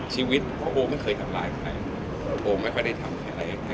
ชีวิตโอไม่เคยทำลายใครโอไม่ค่อยได้ทำอะไรค่อย